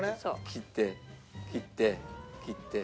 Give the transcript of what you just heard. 切って切って切って。